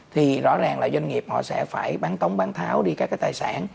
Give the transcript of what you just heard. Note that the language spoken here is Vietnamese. thì rõ ràng là doanh nghiệp họ sẽ phải bán tống bán tháo đi các cái tài sản